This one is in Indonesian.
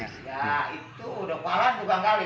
ya itu udah kualahan juga kali